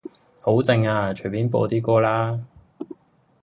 好靜呀，隨便播啲歌啦